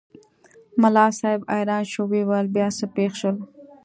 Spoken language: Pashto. ملا صاحب حیران شو وویل بیا څه پېښ شول؟